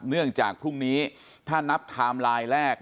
เนื่องจากพรุ่งนี้ถ้านับไทม์ไลน์แรก